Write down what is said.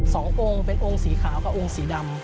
สององค์เป็นองค์สีขาวกับองค์สีดำ